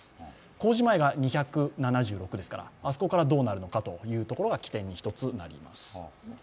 公示前が２７６ですから、あそこからどうなるのかというところが起点になります。